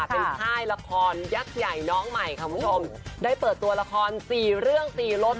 เป็นค่ายละครยักษ์ใหญ่น้องใหม่ค่ะคุณผู้ชมได้เปิดตัวละครสี่เรื่องสี่รถ